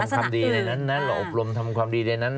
ทำดีในนั้นเราอบรมทำความดีในนั้น